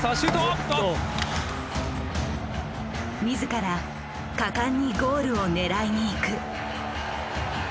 自ら果敢にゴールを狙いに行く。